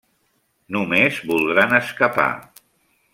Només voldran escapar.